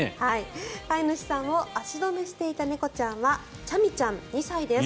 飼い主さんを足止めしていた猫ちゃんはチャミちゃん、２歳です。